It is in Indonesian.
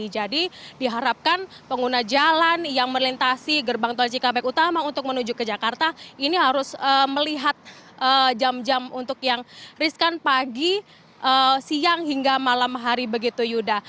jadi diharapkan pengguna jalan yang melintasi gerbang tol cikampek utama untuk menuju ke jakarta ini harus melihat jam jam untuk yang riskan pagi siang hingga malam hari begitu yuda